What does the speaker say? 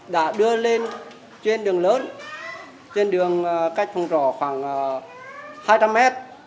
đã đưa lên trên đường lớn trên đường cách phòng trọ khoảng hai trăm linh mét